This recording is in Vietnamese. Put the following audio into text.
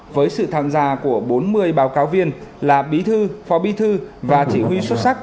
với sự tham gia của bốn mươi báo cáo viên là bí thư phó bí thư và chỉ huy xuất sắc